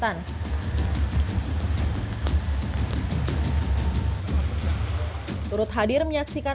jalan jalan jalan